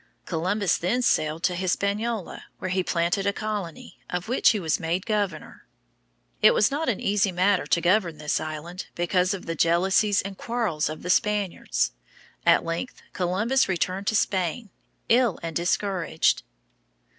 Columbus then sailed to Hispaniola, where he planted a colony, of which he was made governor. It was not an easy matter to govern this island, because of the jealousies and quarrels of the Spaniards. At length Columbus returned to Spain, ill and discouraged.